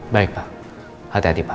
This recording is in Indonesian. baik pak hati hati pak